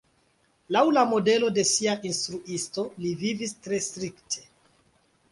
Laŭ la modelo de sia instruisto li vivis tre strikte.